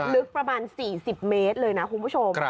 ลึกประมาณ๔๐เมตรเลยนะคุณผู้ชม